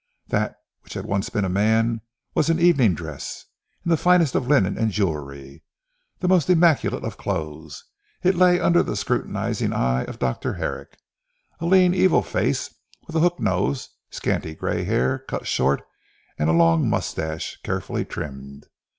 That, which had once been a man, was in evening dress. In the finest of linen and jewellery, the most immaculate of clothes, it lay under the scrutinising eye of Dr. Herrick. A lean evil face, with a hook nose, scanty grey hair cut short and a long moustache carefully trimmed.